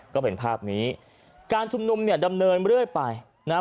ก็เป็นภาพนี้การชุมนุมเนี่ยดำเนินเรื่อยไปนะครับ